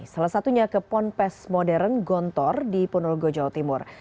salah satunya ke ponpes modern gontor di ponorogo jawa timur